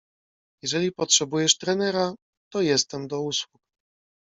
"Jeżeli potrzebujesz trenera, to jestem do usług."